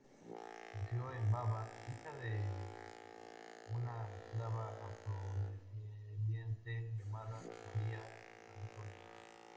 Nació en Baba, hija de una esclava afrodescendiente llamada María Antonia.